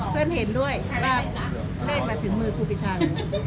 เพื่อนเห็นด้วยว่าเลขมาถึงมือครูปีชาหนู